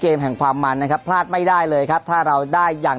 แห่งความมันนะครับพลาดไม่ได้เลยครับถ้าเราได้อย่าง